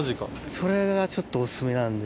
それがちょっとお薦めなんで。